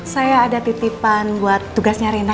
saya ada titipan buat tugasnya rina